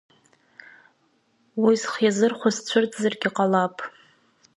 Уи зхы иазырхәаз цәырҵзаргьы ҟалап.